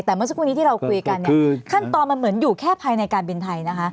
แต่เมื่อสักครู่นี้ที่เราคุยกันเนี่ยขั้นตอนมันเหมือนอยู่แค่ภายในการบินไทยนะคะ